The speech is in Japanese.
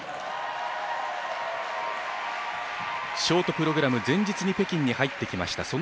ショートプログラム前日に北京に入ってきました。